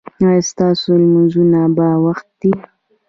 ایا ستاسو لمونځونه په وخت دي؟